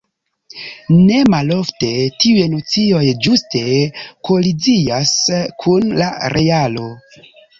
Ne malofte tiuj nocioj ĝuste kolizias kun la realo.